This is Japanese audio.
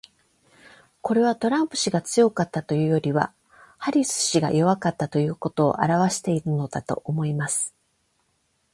これは、トランプ氏が強かったというよりはハリス氏が弱かったということを表してるのだと思います。